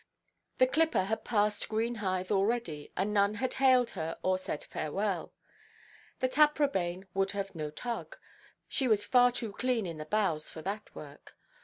The clipper had passed Greenhithe already, and none had hailed her or said "Farewell." The Taprobane would have no tug. She was far too clean in the bows for that work.